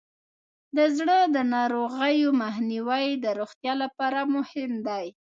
د زړه ناروغیو مخنیوی د روغتیا لپاره مهم دی.